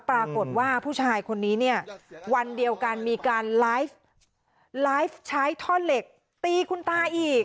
ปรากฏว่าผู้ชายคนนี้เนี่ยวันเดียวกันมีการไลฟ์ไลฟ์ใช้ท่อเหล็กตีคุณตาอีก